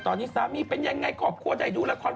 ตอนนี้สามีเป็นอย่างไรขอบควดให้ดูละคร